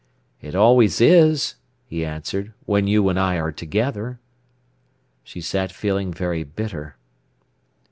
"It always is," he answered, "when you and I are together." She sat feeling very bitter.